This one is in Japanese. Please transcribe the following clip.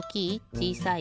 ちいさい？